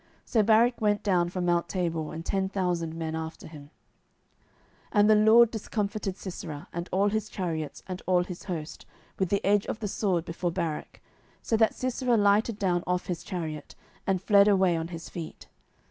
So Barak went down from mount Tabor, and ten thousand men after him. 07:004:015 And the LORD discomfited Sisera, and all his chariots, and all his host, with the edge of the sword before Barak; so that Sisera lighted down off his chariot, and fled away on his feet.